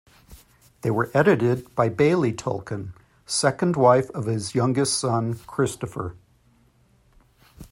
They were edited by Baillie Tolkien, second wife of his youngest son, Christopher.